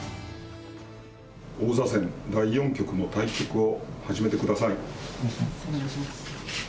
王座戦第４局の対局を始めてください。